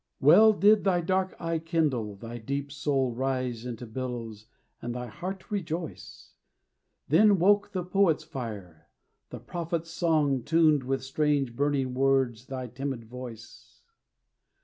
Well did thy dark eye kindle, thy deep soul Rise into billows, and thy heart rejoice; Then woke the poet's fire, the prophet's song Tuned with strange, burning words thy timid voice.